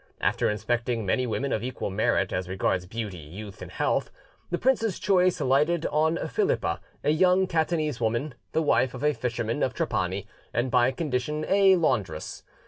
After inspecting many women of equal merit as regards beauty, youth and health, the princess's choice lighted on Philippa, a young Catanese woman, the wife of a fisherman of Trapani, and by condition a laundress.